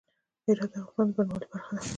هرات د افغانستان د بڼوالۍ برخه ده.